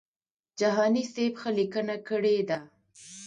جهاني سیب ښه لیکنه کړې ده.